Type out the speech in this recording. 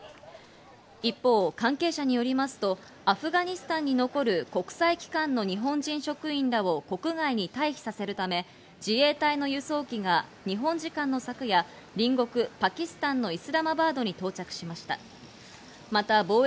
一方、関係者によりますと、アフガニスタンに残る国際機関の日本人職員らを国外に退避させるため、自衛隊の輸送機が日本時間の昨夜、隣国パキスタンのイスラマバードに到着しました。